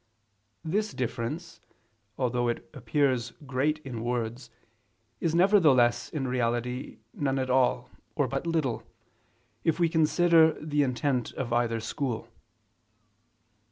This difference, although it appears great in words, is nevertheless, in reality, none at all, or but little, if we consider the intent of either school.